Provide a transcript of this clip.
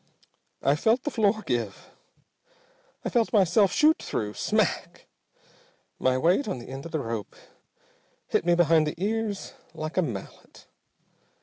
"I felt the floor give, felt myself shoot through. Smack! My weight on the end of the rope hit me behind the ears like a mallet.